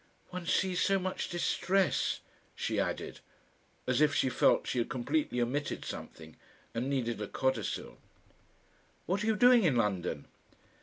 "One sees so much distress," she added, as if she felt she had completely omitted something, and needed a codicil. "What are you doing in London?"